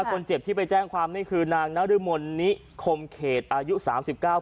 คนเจ็บที่ไปแจ้งความนี่คือนางนรมนนิคมเขตอายุ๓๙ปี